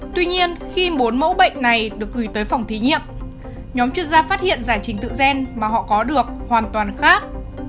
tuy nhiên khi bốn mẫu bệnh này được gửi tới phòng thí nghiệm nhóm chuyên gia phát hiện giải trình tự gen mà họ có được hoàn toàn khác